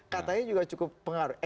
katanya juga cukup pengaruh